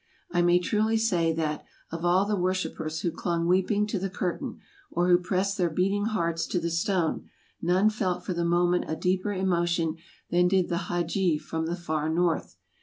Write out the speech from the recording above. I may truly say that, of all the worshipers who clung weeping to the curtain, or who pressed their beating hearts to the stone, none felt for the moment a deeper emotion than did the Hadji from the far north.